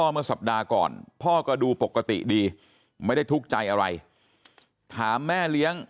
เมื่อสัปดาห์ก่อนพ่อก็ดูปกติดีไม่ได้ทุกข์ใจอะไรถามแม่เลี้ยง